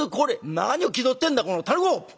「何を気取ってんだこのタヌ公！